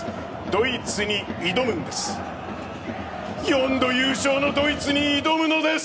ドイツに挑むんです。